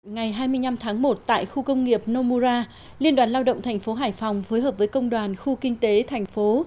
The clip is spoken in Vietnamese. ngày hai mươi năm tháng một tại khu công nghiệp nomura liên đoàn lao động thành phố hải phòng phối hợp với công đoàn khu kinh tế thành phố